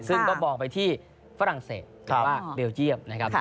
ซึ่งก็มองไปที่ฝรั่งเศสหรือว่าเบลเจียมนะครับ